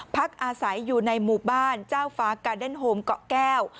พักอาศัยอยู่ในหมู่บ้านเจ้าฟ้ากาเดนโฮมเกาะแก้ว